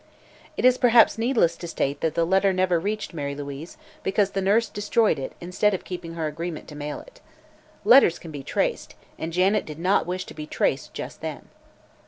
It is perhaps needless to state that the letter never reached Mary Louise because the nurse destroyed it instead of keeping her agreement to mail it. Letters can be traced, and Janet did not wish to be traced just then.